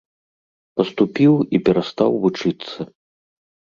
Паступіў і перастаў вучыцца.